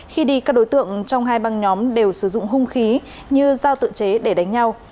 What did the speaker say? khi đi các đối tượng trong hai băng nhóm đều sử dụng hung khí như giao tự chế để đánh nhau